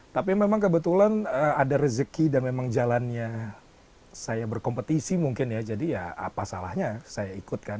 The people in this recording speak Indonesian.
tapi memang kebetulan ada rezeki dan memang jalannya saya berkompetisi mungkin ya jadi ya apa salahnya saya ikut kan